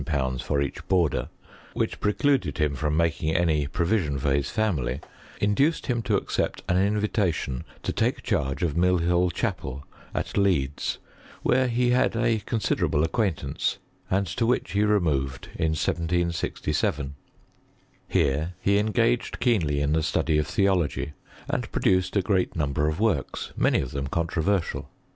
for each boarder, which precluded him from malcin^ any pro vision for his family, induced htm to accept an invitation to take charge of Millhill chapel, at Leeds, where he had a conBiderable acquaintance, and to which he reraoved in 1767, Here he engaged keenly in the study of theolt^y, and produced a great number of works, many c^ them controversial.